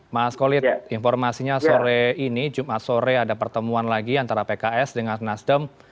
mas kolit informasinya sore ini jumat sore ada pertemuan lagi antara pks dengan nasdem